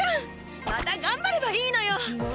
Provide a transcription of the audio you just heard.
また頑張ればいいのよ！